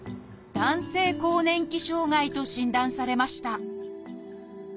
「男性更年期障害」と診断されました